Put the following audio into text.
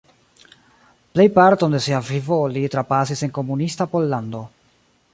Plejparton de sia vivo li trapasis en komunista Pollando.